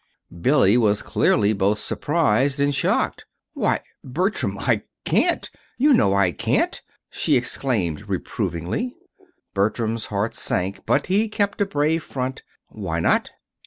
Billy was clearly both surprised and shocked. "Why, Bertram, I can't you know I can't!" she exclaimed reprovingly. Bertram's heart sank; but he kept a brave front. "Why not?"